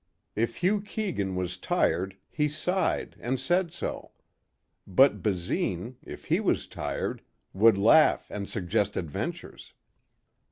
If Hugh Keegan was tired he sighed and said so. But Basine, if he was tired, would laugh and suggest adventures.